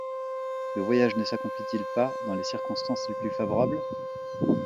Le voyage ne s’accomplit-il pas dans les circonstances les plus favorables ?